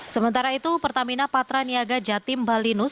sementara itu pertamina patra niaga jatim balinus